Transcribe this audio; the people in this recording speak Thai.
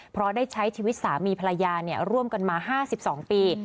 เพราะได้ใช้ชีวิตสามีภรรยาร่วมกันมา๕๒ปี